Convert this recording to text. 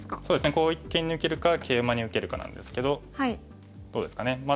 そうですねこう一間に受けるかケイマに受けるかなんですけどどうですかね。